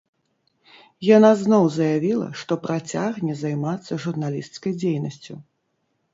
Яна зноў заявіла, што працягне займацца журналісцкай дзейнасцю.